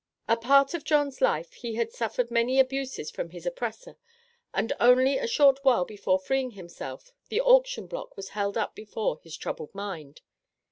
A part of John's life he had suffered many abuses from his oppressor, and only a short while before freeing himself, the auction block was held up before his troubled mind.